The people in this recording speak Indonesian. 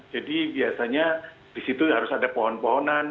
jadi biasanya di situ harus ada pohon pohonan